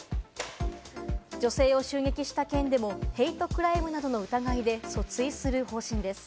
女性を襲撃した件でもヘイトクライムなどの疑いで訴追する方針です。